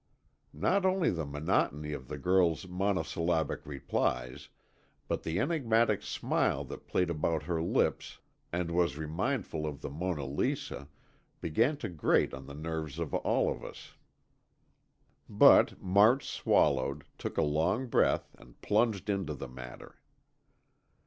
Not only the monotony of the girl's monosyllabic replies, but the enigmatic smile that played about her lips and was remindful of the Mona Lisa, began to grate on the nerves of all of us. But March swallowed, took a long breath, and plunged into the matter.